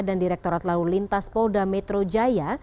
dan direkturat lalu lintas polda metro jaya